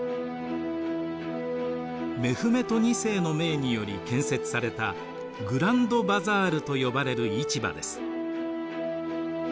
メフメト２世の命により建設されたグランドバザールと呼ばれる市場です。